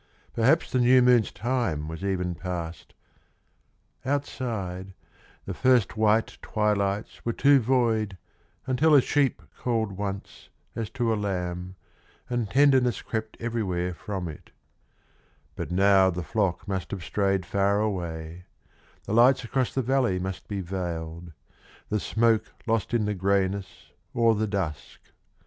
Perhaps the new moon's time was even past. Outside, the first white twilights were too void Until a sheep called once, as to a lamb, And tenderness crept everywhere from it; But now the flock must have strayed far away, The lights across the valley must be veiled, The smoke lost in the greyness or the dusk.